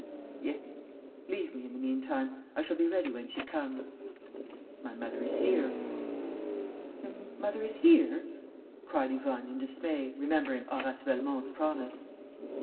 "Yes. Leave me, in the meantime. I shall be ready when she comes." "My mother is here." "Your mother is here?" cried Yvonne, in dismay, remembering Horace Velmont's promise.